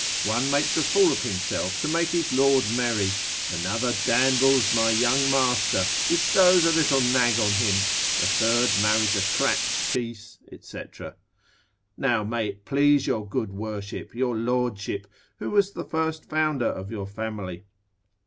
One makes a fool of himself to make his lord merry, another dandles my young master, bestows a little nag on him, a third marries a cracked piece, &c. Now may it please your good worship, your lordship, who was the first founder of your family?